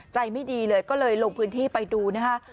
ไม่ดีเลยก็เลยลงพื้นที่ไปดูนะคะ